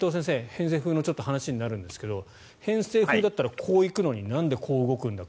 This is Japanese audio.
偏西風の話になるんですが偏西風だったらこう行くのになんでこう動くんだ